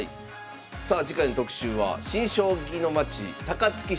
さあ次回の特集は「新・将棋のまち高槻市」。